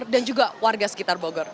dan juga warga sekitar bogor